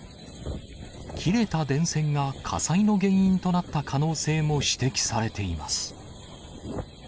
切れた電線が火災の原因となった可能性も指摘されています。